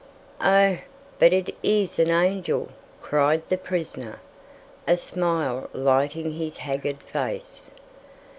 "Oh, but it is an angel!" cried the prisoner, a smile lighting his haggard face.